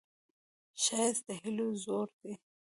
ښایست د هیلو زور دی